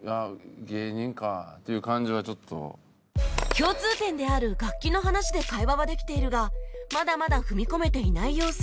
共通点である楽器の話で会話はできているがまだまだ踏み込めていない様子